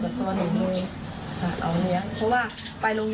แล้วตอนนี้ศาลให้ประกันตัวออกมาแล้ว